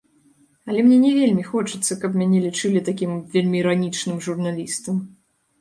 Але мне не вельмі хочацца, каб мяне лічылі такім вельмі іранічным журналістам.